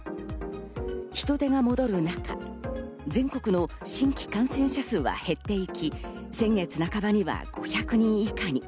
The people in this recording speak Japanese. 人出が戻る中、全国の新規感染者数は減って行き先月半ばには５００人以下に。